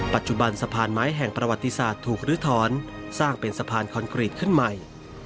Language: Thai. ปัจจุบันสะพานไม้แห่งประวัติศาสตร์ถูกลื้อถอนสร้างเป็นสะพานคอนกรีตขึ้นใหม่